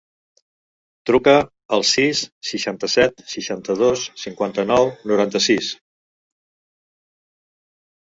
Truca al sis, seixanta-set, seixanta-dos, cinquanta-nou, noranta-sis.